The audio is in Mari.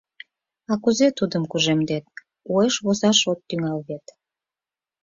А кузе тудым кужемдет, уэш возаш от тӱҥал вет.